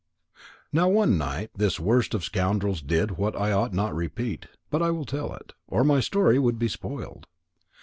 Now one night this worst of scoundrels did what I ought not to repeat, but I will tell it, or my story would be spoiled.